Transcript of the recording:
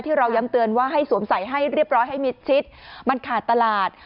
เราย้ำเตือนว่าให้สวมใส่ให้เรียบร้อยให้มิดชิดมันขาดตลาด